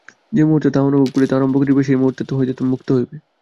যে মুহূর্তে তাহা অনুভব করিতে আরম্ভ করিবে, সেই মুহূর্তে তুমি মুক্ত হইবে।